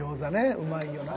うまいよな。